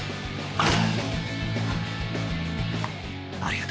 あっ。